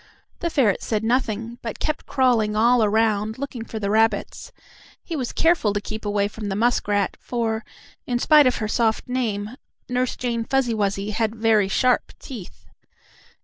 The ferret said nothing, but kept crawling all around, looking for the rabbits. He was careful to keep away from the muskrat, for, in spite of her soft name, Nurse Jane Fuzzy Wuzzy had very sharp teeth.